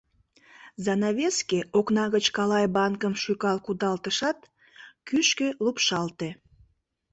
Занавеске, окна гыч калай банкым шӱкал кудалтышат, кӱшкӧ лупшалте.